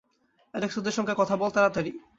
Alex ওদের সঙ্গে কথা বল, তাড়াতাড়ি।